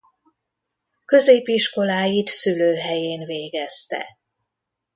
Középiskoláit szülőhelyén végezte.